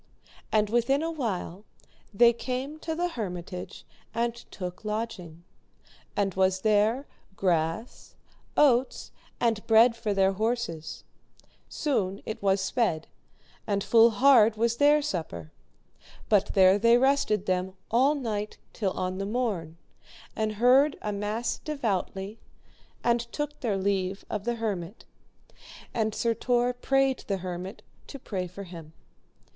And within a while they came to the hermitage and took lodging; and was there grass, oats and bread for their horses; soon it was sped, and full hard was their supper; but there they rested them all night till on the morn, and heard a mass devoutly, and took their leave of the hermit, and Sir Tor prayed the hermit to pray for him.